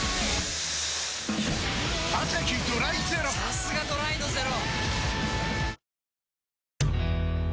さすがドライのゼロ！